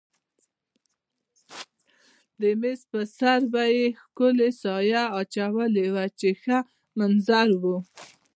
د مېز پر سر به یې ښکلې سایه اچولې وه چې ښه منظر و.